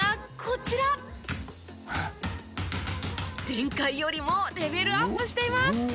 前回よりもレベルアップしています。